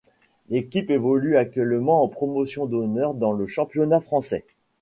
L'équipe évolue actuellement en promotion d'honneur dans le championnat français.